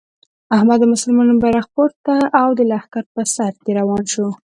احمد د مسلمانانو بیرغ پورته او د لښکر په سر کې روان شو.